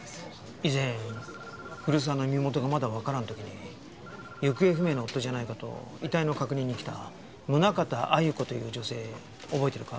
以前古沢の身元がまだわからん時に行方不明の夫じゃないかと遺体の確認に来た宗形鮎子という女性覚えているか？